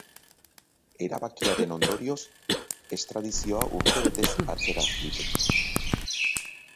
Erabakiaren ondorioz, estradizioa urtebetez atzera liteke.